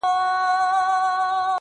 o چي ستا د لبو نشه راکړي میکدې لټوم,